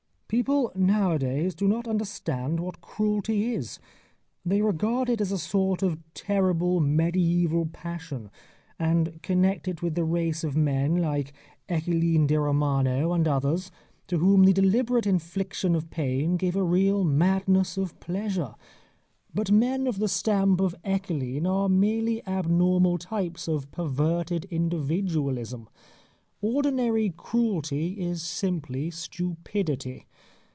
People nowadays do not understand what cruelty is. They regard it as a sort of terrible medi├"val passion, and connect it with the race of men like Eccelin da Romano, and others, to whom the deliberate infliction of pain gave a real madness of pleasure. But men of the stamp of Eccelin are merely abnormal types of perverted individualism. Ordinary cruelty is simply stupidity.